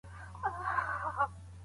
ولي له عادي حالت څخه وتل د ذهن وده هڅوي؟